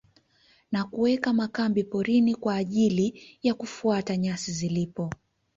Na kuweka makambi porini kwa ajili ya kufuata nyasi zilipo